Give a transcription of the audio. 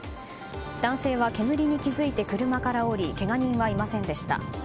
男性は煙に気付いて車から降りけが人はいませんでした。